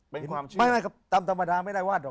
ไม่ใช่ครับตามธรรมดาไม่ได้วาด